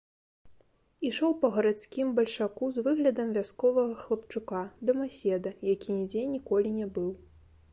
Ішоў па гарадскім бальшаку з выглядам вясковага хлапчука, дамаседа, які нідзе ніколі не быў.